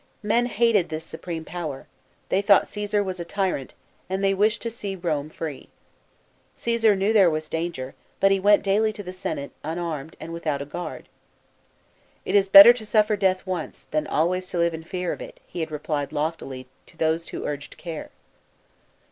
Men hated this supreme power ; they thought Coesar was a tyrant, and they wished to see Rome free. Coesar knew there was danger, but he went daily to the Senate, unarmed, and without a guard. "It is better to suffer death once, than always to live in fear of it," he had replied* loftily to those who urged care.